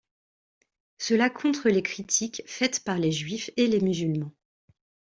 Cela contre les critiques faites par les juifs et les musulmans.